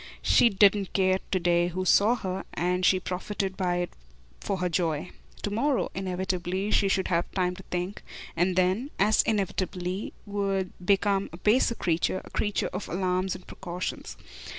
She didn't care to day who saw her, and she profited by it for her joy. To morrow, inevitably, she should have time to think and then, as inevitably, would become a baser creature, a creature of alarms and precautions.